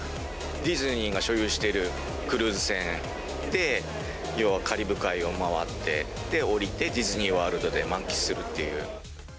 ディズニーが所有しているクルーズ船でカリブ海を回って、下りて、ディズニーワールドで満喫するっていう。